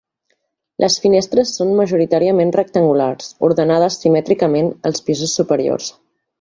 Les finestres són majoritàriament rectangulars, ordenades simètricament als pisos superiors.